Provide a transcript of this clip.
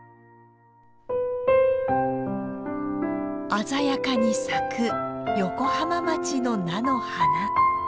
鮮やかに咲く横浜町の菜の花。